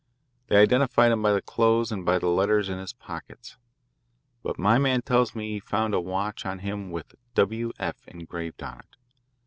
They identified him by the clothes and by letters in his pockets. But my man tells me he found a watch on him with 'W. F.' engraved on it.